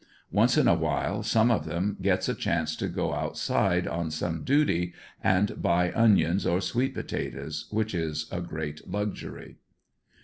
Once in a while some of them gets a chance to go outside on some duty and buy onions or sweet potatoes which is a great luxury.